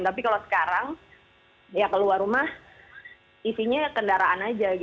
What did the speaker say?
tapi kalau sekarang keluar rumah isinya kendaraan saja